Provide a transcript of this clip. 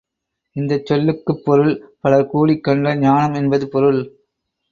இந்தச் சொல்லுக்குப் பொருள் பலர் கூடிக் கண்ட ஞானம், என்பது பொருள்.